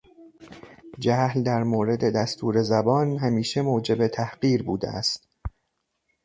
جهل در مورد دستور زبان همیشه موجب تحقیر بوده است.